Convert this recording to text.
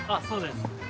そうです。